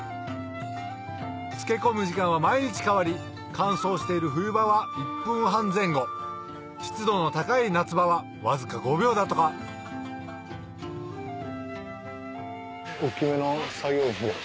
漬け込む時間は毎日変わり乾燥している冬場は１分半前後湿度の高い夏場はわずか５秒だとか大っきめの作業着を。